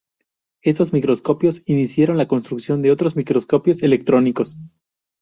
Estos microscopios iniciaron la construcción de otros microscopios electrónicos.